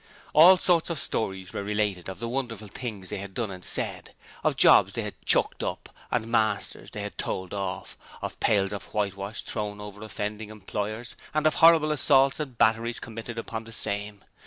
All sorts of stories were related of the wonderful things they had done and said; of jobs they had 'chucked up', and masters they had 'told off': of pails of whitewash thrown over offending employers, and of horrible assaults and batteries committed upon the same.